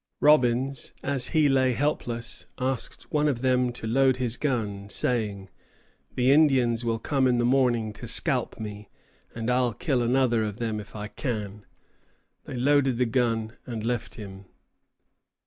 Robbins, as he lay helpless, asked one of them to load his gun, saying, "The Indians will come in the morning to scalp me, and I'll kill another of 'em if I can." They loaded the gun and left him.